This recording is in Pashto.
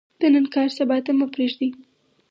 د نن کار سبا ته مه پریږدئ